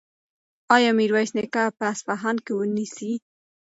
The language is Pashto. ایا میرویس نیکه به اصفهان ونیسي؟